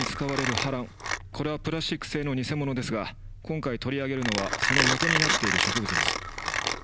これはプラスチック製の偽物ですが今回取り上げるのはそのもとになっている植物です。